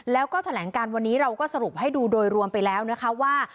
แล้วก็แถลงการวันนี้เราก็สรุปให้ดูโดยรวมไปแล้วนะคะว่า